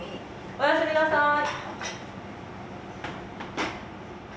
おやすみなさい。